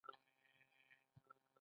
• هوښیار سړی د ستونزو پر حل تمرکز کوي.